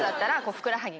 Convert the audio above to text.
ふくらはぎ？